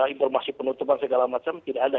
informasi penutupan segala macam tidak ada